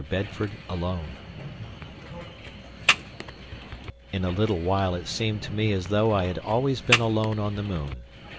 Bedford Alone In a little while it seemed to me as though I had always been alone on the moon.